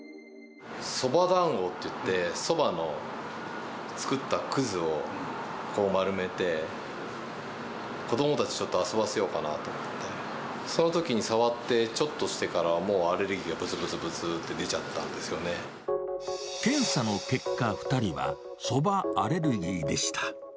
そば団子といって、そばの作ったくずを丸めて、子どもたち、ちょっと遊ばせようかなと思って、そのときに触って、ちょっとしてからもうアレルギーがぶつぶつぶつって出ちゃったん検査の結果、２人はそばアレルギーでした。